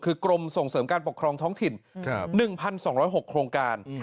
คือกรมส่งเสริมการปกครองท้องถิ่น๑๒๐๖โครงการ